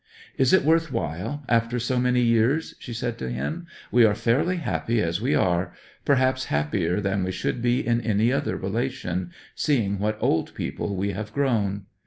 'Is it worth while, after so many years?' she said to him. 'We are fairly happy as we are perhaps happier than we should be in any other relation, seeing what old people we have grown.